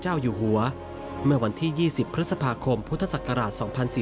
เจ้าอยู่หัวเมื่อวันที่๒๐พฤษภาคมพุทธศักราช๒๔๙